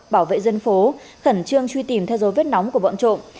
bảo vệ dân phố khẩn trương truy tìm theo dấu vết nóng của bọn trộm